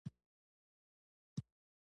ملایانو ته یې فرصت په لاس ورغی.